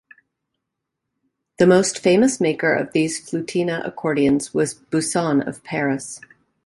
The most famous maker of these "flutina" accordions was Busson of Paris.